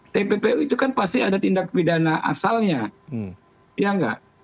tppu itu kan pasti ada tindak pidana asalnya ya enggak